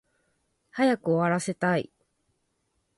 早く終わらせたい